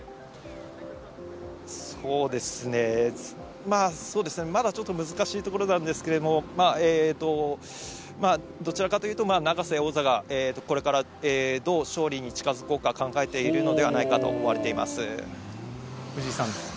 そうですね、まあ、そうですね、まだちょっと難しいところなんですけど、どちらかというと、永瀬王座がこれからどう勝利に近づこうと考えているのではないか藤井さん。